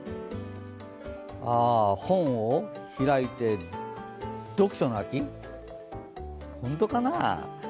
本を開いて、読書の秋、本当かな？